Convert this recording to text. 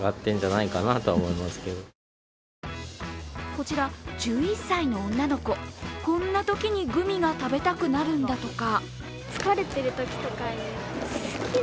こちら１１歳の女の子こんなときにグミが食べたくなるんだとか。